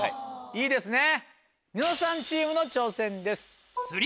いいですね？